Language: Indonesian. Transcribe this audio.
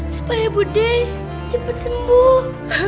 supaya budi cepat sembuh